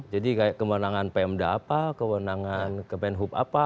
jadi kayak kewenangan pmd apa kewenangan kemenhub apa